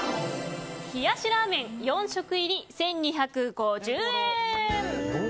冷しラーメン４食入り１２５０円。